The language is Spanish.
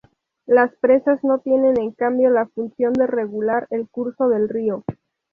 Las presas no tienen en cambio la función de regular el curso del río.